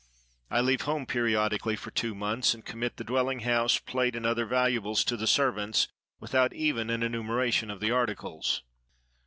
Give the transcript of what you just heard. I leave home periodically for two months, and commit the dwelling house, plate, and other valuables, to the servants, without even an enumeration of the articles.